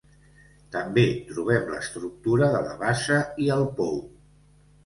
També trobem l'estructura de la bassa i el pou.